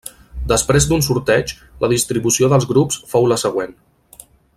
Després d'un sorteig, la distribució dels grups fou la següent.